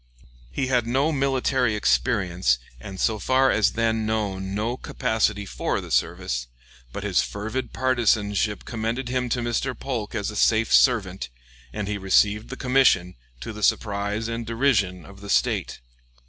He had no military experience, and so far as then known no capacity for the service; but his fervid partisanship commended him to Mr. Polk as a safe servant, and he received the commission, to the surprise and derision of the State.